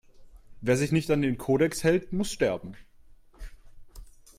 Wer sich nicht an den Kodex hält, muss sterben